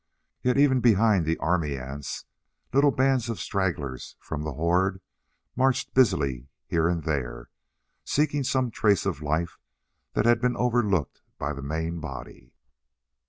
Yet even behind the army ants little bands of stragglers from the horde marched busily here and there, seeking some trace of life that had been overlooked by the main body.